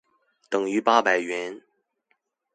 等於八百元